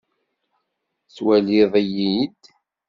Tettwaliḍ-iyi-d?